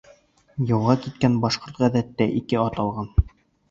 Яуға киткән башҡорт ғәҙәттә ике ат алған.